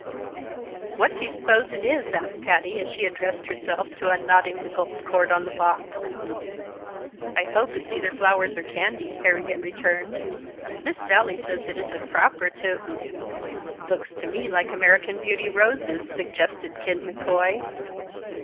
"What do you s'pose it is?" asked Patty, as she addressed herself to unknotting the gold cord on the box. "I hope it's either flowers or candy," Harriet returned. "Miss Sallie says it isn't proper to " "Looks to me like American Beauty roses," suggested Kid McCoy.